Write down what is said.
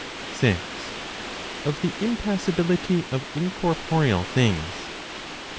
6. Of the Impassibility of Incorporeal Things, 26.